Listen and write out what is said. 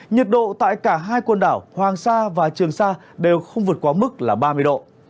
nhiệt độ tại cả hai quần đảo hoàng sa và trường sa đều không vượt quá mức là ba mươi độ